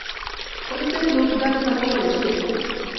Con este club gana una Copa de Suecia.